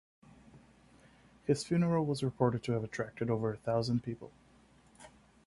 His funeral was reported to have attracted over a thousand people.